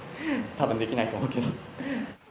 たぶんできないと思うけど。